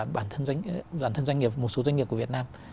bản thân doanh nghiệp một số doanh nghiệp của việt nam